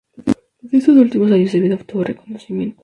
En sus últimos años de vida, obtuvo reconocimiento.